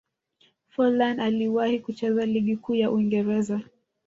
forlan aliwahi kucheza ligi kuu ya uingereza